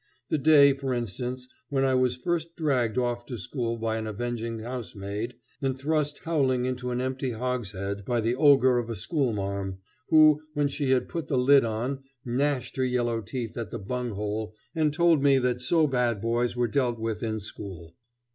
The day, for instance, when I was first dragged off to school by an avenging housemaid and thrust howling into an empty hogshead by the ogre of a schoolmarm, who, when she had put the lid on, gnashed her yellow teeth at the bunghole and told me that so bad boys were dealt with in school.